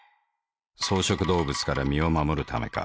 草食動物から身を護るためか。